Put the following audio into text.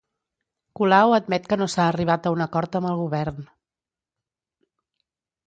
Colau admet que no s'ha arribat a un acord amb el govern